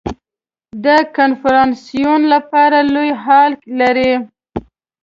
د کنفرانسونو لپاره لوی هال لري.